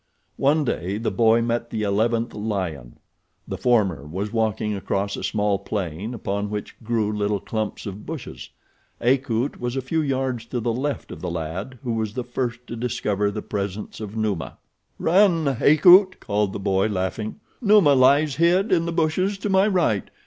One day the boy met the eleventh lion. The former was walking across a small plain upon which grew little clumps of bushes. Akut was a few yards to the left of the lad who was the first to discover the presence of Numa. "Run, Akut," called the boy, laughing. "Numa lies hid in the bushes to my right.